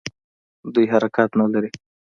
دوی حرکت نه لري.